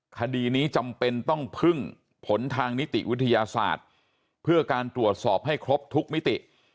คดีนี้จำเป็นต้องพึ่งผลทางนิติวิทยาศาสตร์เพื่อการตรวจสอบให้ครบทุกมิติ